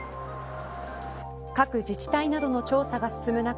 各自治体などの調査が進む中